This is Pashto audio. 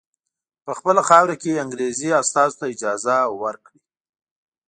په خپله خاوره کې انګریزي استازو ته اجازه ورکړي.